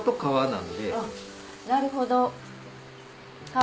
なるほど。